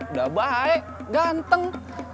udah baik ganteng